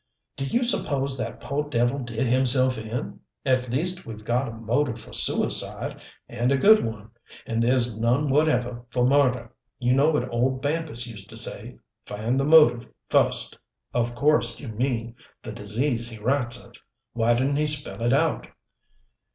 "Do you suppose that poor devil did himself in? At least we've got a motive for suicide, and a good one and there's none whatever for murder. You know what old Bampus used to say find the motive first." "Of course you mean the disease he writes of. Why didn't he spell it out."